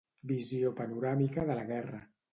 Visió panoràmica de la guerra.